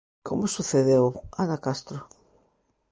Como sucedeu, Ana Castro?